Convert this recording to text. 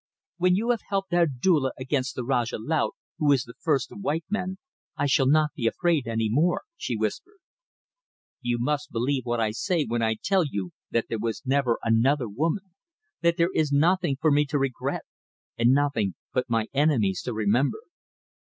"When you have helped Abdulla against the Rajah Laut, who is the first of white men, I shall not be afraid any more," she whispered. "You must believe what I say when I tell you that there never was another woman; that there is nothing for me to regret, and nothing but my enemies to remember."